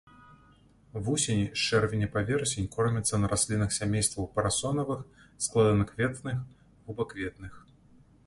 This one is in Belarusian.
Вусені з чэрвеня па верасень кормяцца на раслінах сямействаў парасонавых, складанакветных, губакветных.